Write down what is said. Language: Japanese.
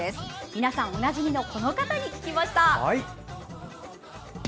皆さんおなじみのこの方に聞きました。